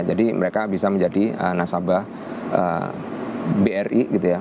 jadi mereka bisa menjadi nasabah bri gitu ya